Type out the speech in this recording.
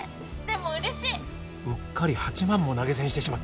でもうれしい！